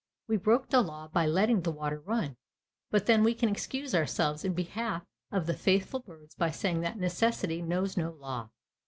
We broke the law by letting the water run, but then we can excuse ourselves in behalf of the faithful birds by saying that "necessity knows no law."